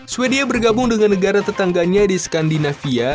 swedia bergabung dengan negara tetangganya di skandinavia